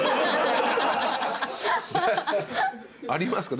ありますか？